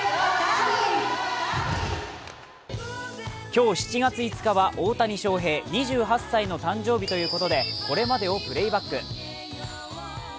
今日７月５日は大谷翔平２８歳の誕生日ということでこれまでをプレーバック。